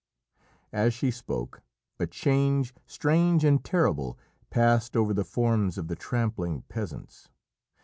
As she spoke, a change, strange and terrible, passed over the forms of the trampling peasants.